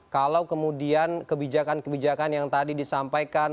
kalau kemudian kebijakan kebijakan yang tadi disampaikan